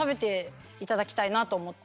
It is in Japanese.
なと思って。